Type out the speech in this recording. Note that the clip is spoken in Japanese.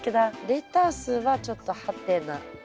レタスはちょっとはてな。